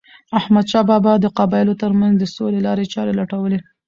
احمد شاه بابا د قبایلو ترمنځ د سولې لارې چاري لټولي.